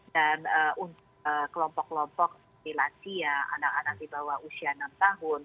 dan untuk kelompok kelompok di lasia anak anak di bawah usia enam tahun